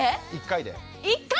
１回で⁉